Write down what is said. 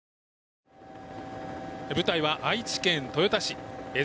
舞台は愛知県豊田市。